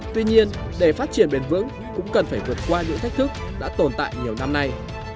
tuy nhiên để phát triển bền vững cũng cần phải vượt qua những thách thức đã tồn tại nhiều năm nay